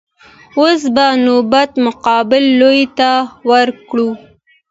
اوس به نوبت مقابل لور ته ورکړو.